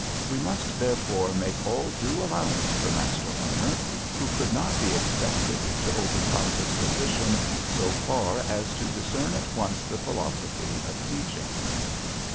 We must therefore make all due allowance for Master Horner, who could not be expected to overtop his position so far as to discern at once the philosophy of teaching.